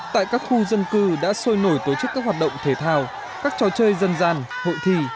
tại các khu dân cư đã sôi nổi tổ chức các hoạt động thể thao các trò chơi dân gian hội thi